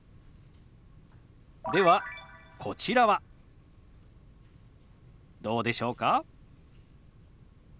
ではこちらはどうでしょうか？